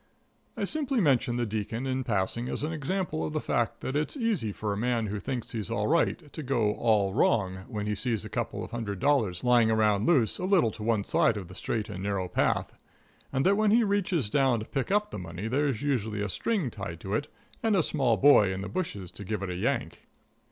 I simply mention the Deacon in passing as an example of the fact that it's easy for a man who thinks he's all right to go all wrong when he sees a couple of hundred dollars lying around loose a little to one side of the straight and narrow path; and that when he reaches down to pick up the money there's usually a string tied to it and a small boy in the bushes to give it a yank.